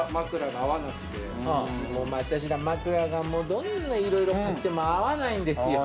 私ら枕がどんなに色々買っても合わないんですよ